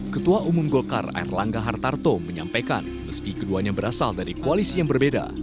ketua umum golkar air langga hartarto menyampaikan meski keduanya berasal dari koalisi yang berbeda